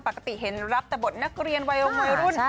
ปกติเห็นรับแต่บทนักเรียนวัยลงวัยรุ่น